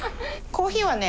コーヒー？